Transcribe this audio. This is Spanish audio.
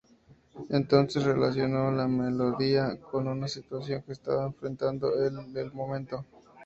Entonces relacionó la melodía con una situación que estaba enfrentando en el momento.